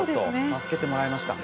助けてもらいました。